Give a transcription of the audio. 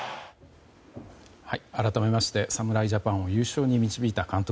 改めまして侍ジャパンを優勝に導いた監督